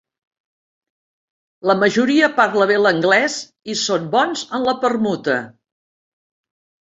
La majoria parla bé l'anglès i són bons en la permuta.